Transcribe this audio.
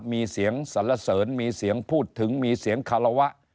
มีเสียงสรรเสริญมีเสียงพูดถึงมีเสียงคารวะ